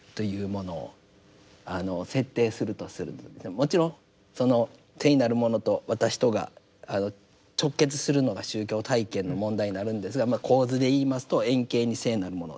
もちろんその聖なるものと私とが直結するのが宗教体験の問題になるんですが構図で言いますと遠景に聖なるもの。